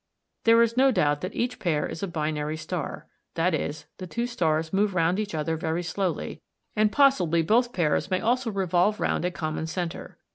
There is no doubt that each pair is a binary star, that is, the two stars move round each other very slowly, and possibly both pairs may also revolve round a common centre.